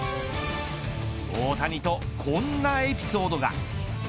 大谷とこんなエピソードが。